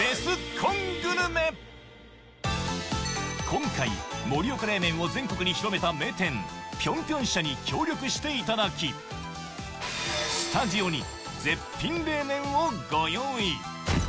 今回、盛岡冷麺を全国に広げたぴょんぴょん舎に協力していただきスタジオに絶品冷麺をご用意。